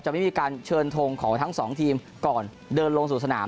ไม่มีการเชิญทงของทั้งสองทีมก่อนเดินลงสู่สนาม